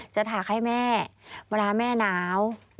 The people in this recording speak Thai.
ถักให้แม่เวลาแม่หนาว